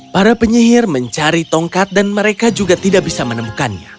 para penyihir mencari tongkat dan mereka juga tidak bisa menemukannya